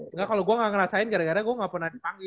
enggak kalau gue gak ngerasain gara gara gue gak pernah dipanggil